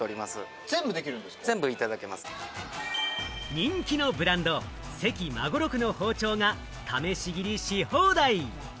人気のブランド・関孫六の包丁が試し切りし放題！